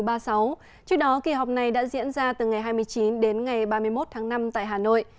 trước đó kỳ họp này đã diễn ra từ ngày hai mươi chín đến ngày ba mươi một tháng năm tại hà nội